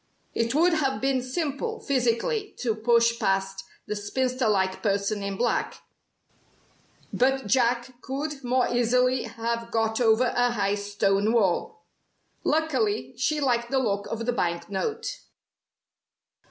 It would have been simple physically to push past the spinster like person in black, but Jack could more easily have got over a high stone wall. Luckily she liked the look of the bank note.